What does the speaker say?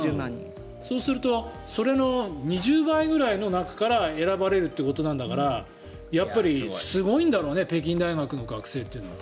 そうするとそれの２０倍ぐらいの中から選ばれるということだからすごいだろうね北京大学の学生というのは。